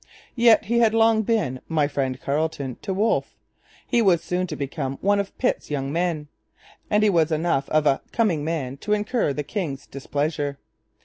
Yet he had long been 'my friend Carleton' to Wolfe, he was soon to become one of 'Pitt's Young Men,' and he was enough of a 'coming man' to incur the king's displeasure.